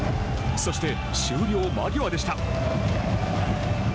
そして、終了間際でした。